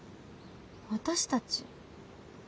私たち？